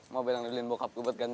mobil yang dilinbokap gue buat ganti